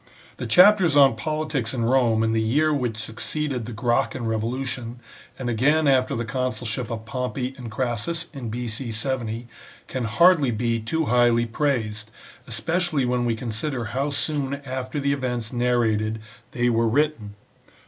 The chapters on politics in Rome in the year which succeeded the Gracchan revolution, and again after the consulship of Pompey and Crassus in B.C. 70, can hardly be too highly praised, especially when we consider how soon after the events narrated they were written.